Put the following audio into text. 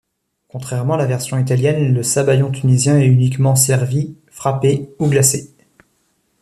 Contrairement à la version italienne, le sabayon tunisien est uniquement servi frappé ou glacé.